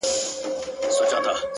یو څوک دي ووایي چي کوم هوس ته ودرېدم !